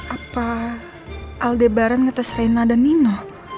apa aldebaran ngetes reina dan nino